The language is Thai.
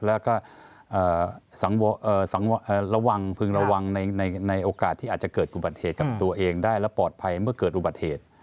แล้วก็ระวังพึงระวังในโอกาสที่อาจจะเกิดอุบัติเหตุกับตัวเองได้และปลอดภัยเมื่อเกิดอุบัติเหตุ